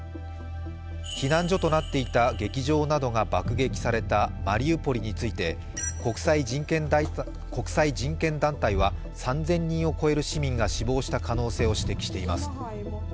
避難所となっていた劇場などが爆撃されたマリウポリについて国際人権団体は３０００人を超える市民が死亡した可能性を指摘しています。